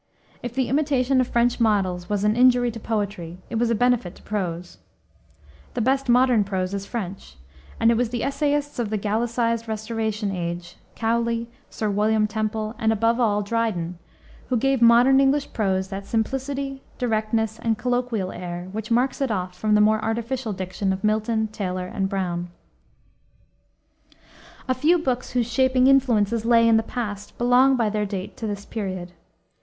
If the imitation of French models was an injury to poetry it was a benefit to prose. The best modern prose is French, and it was the essayists of the Gallicised Restoration age Cowley, Sir William Temple, and, above all, Dryden who gave modern English prose that simplicity, directness, and colloquial air, which marks it off from the more artificial diction of Milton, Taylor, and Browne. A few books whose shaping influences lay in the past belong by their date to this period.